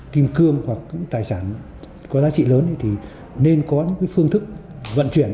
vì cương hoặc tài sản có giá trị lớn thì nên có những phương thức vận chuyển